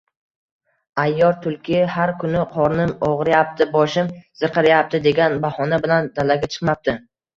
Ayyor Tulki har kuni qornim og’riyapti, boshim zirqirayapti degan bahona bilan dalaga chiqmabdi